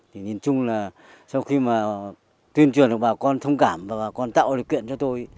thì nhìn chung là sau khi mà tuyên truyền được bà con thông cảm và bà con tạo điều kiện cho tôi